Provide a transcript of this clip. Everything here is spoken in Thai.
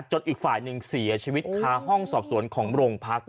อีกฝ่ายหนึ่งเสียชีวิตค้าห้องสอบสวนของโรงพัก